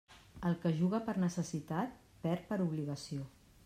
El que juga per necessitat, perd per obligació.